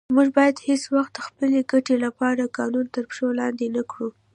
موږ باید هیڅ وخت د خپلې ګټې لپاره قانون تر پښو لاندې نه کړو.